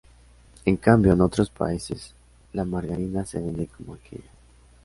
En cambio, en otros países la margarina se vende como aquella.